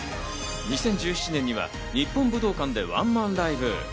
２０１７年には日本武道館でワンマンライブ。